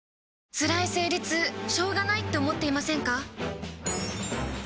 つらい生理痛しょうがないって思っていませんか？